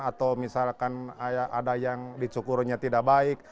atau misalkan ada yang dicukurnya tidak baik